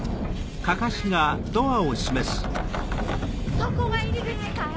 そこが入り口かい？